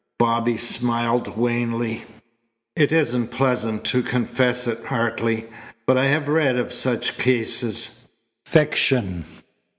Bobby smiled wanly. "It isn't pleasant to confess it, Hartley, but I have read of such cases." "Fiction!"